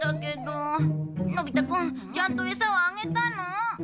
のび太くんちゃんとエサはあげたの？